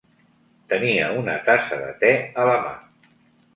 Tenia una tassa de te a la mà.